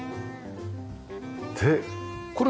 でこれ